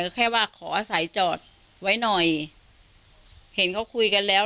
แค่ว่าขออาศัยจอดไว้หน่อยเห็นเขาคุยกันแล้ว